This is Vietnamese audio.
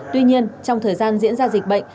tuy nhiên trong thời gian diễn ra dịch bệnh